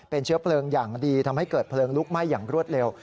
เป็นเชื้อเพลิงอย่างดีทำให้เกิดเพลิงลุกไหม้อย่างรวดเร็ว